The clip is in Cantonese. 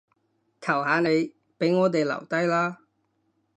求下你，畀我哋留低啦